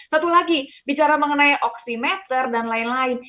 satu lagi bicara mengenai oksimeter dan lain lain